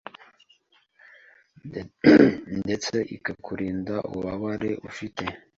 ndetse ikakurinda ububabare ufite.